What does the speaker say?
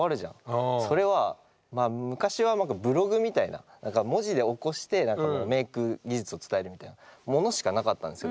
それは昔はブログみたいな何か文字で起こしてメイク技術を伝えるみたいなものしかなかったんですよ